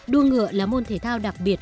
đua ngựa là môn thể thao đặc biệt